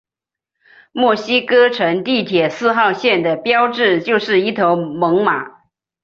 墨西哥城地铁四号线的标志就是一头猛犸。